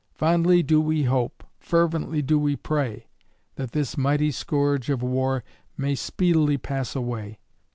Fondly do we hope, fervently do we pray, that this mighty scourge of war may speedily pass away.